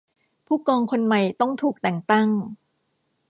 ผู้กองคนใหม่ต้องถูกแต่งตั้ง